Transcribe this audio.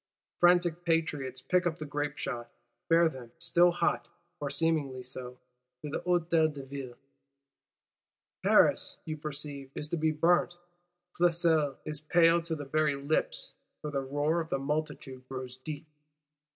Frantic Patriots pick up the grape shots; bear them, still hot (or seemingly so), to the Hôtel de Ville:—Paris, you perceive, is to be burnt! Flesselles is "pale to the very lips" for the roar of the multitude grows deep.